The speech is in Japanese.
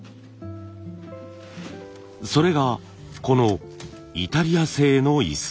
それがこのイタリア製の椅子。